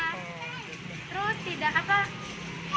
terus tidak apa apa